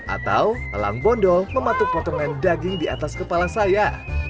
atau elang bondol mematuk potongan daging di atas kepala saya